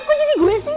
kamu jadi gue saja